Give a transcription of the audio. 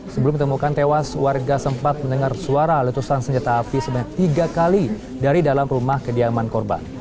sebelum ditemukan tewas warga sempat mendengar suara letusan senjata api sebanyak tiga kali dari dalam rumah kediaman korban